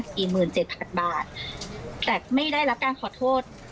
หมื่นเจ็ดพันบาทแต่ไม่ได้รับการขอโทษ